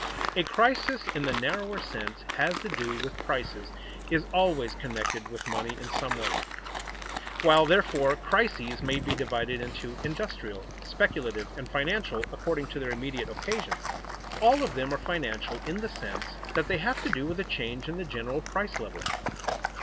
A crisis in the narrower sense has to do with prices is always connected with money in some way. While, therefore, crises may be divided into industrial, speculative, and financial, according to their immediate occasion, all of them are financial in the sense that they have to do with a change in the general price level.